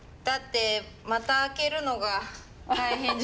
だってまた開けるのが大変。